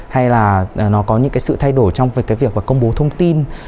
hay là nó có những cái sự thay đổi trong cái việc công bố thông tin